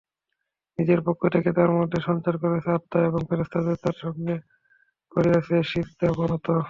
নিজের পক্ষ থেকে তার মধ্যে সঞ্চার করেছেন আত্মা এবং ফেরেশতাদেরকে তার সামনে করিয়েছেন সিজদাবনত।